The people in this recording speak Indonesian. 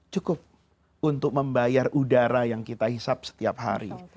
cukup untuk membayar udara yang kita hisap setiap hari